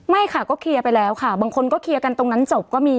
ไม่ค่ะก็เคลียร์ไปแล้วค่ะบางคนก็เคลียร์กันตรงนั้นจบก็มี